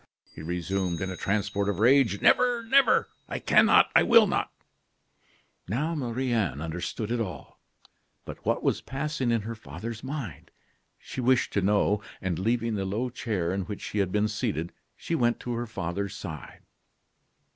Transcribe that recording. he resumed, in a transport of rage; "never! never! I cannot! I will not!" Now Marie Anne understood it all. But what was passing in her father's mind? She wished to know; and, leaving the low chair in which she had been seated, she went to her father's side.